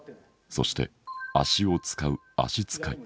そして足を遣う足遣い。